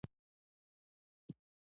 د مخ د ګونځو لپاره د هګۍ سپین وکاروئ